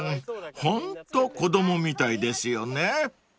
ホント子供みたいですよね］